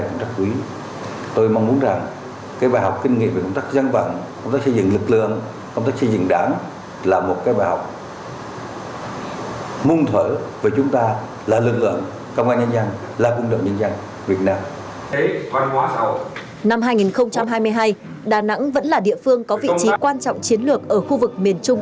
năm hai nghìn hai mươi hai đà nẵng vẫn là địa phương có vị trí quan trọng chiến lược ở khu vực miền trung